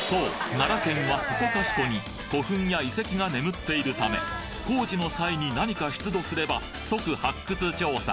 奈良県はそこかしこに古墳や遺跡が眠っているため工事の際に何か出土すれば即発掘調査！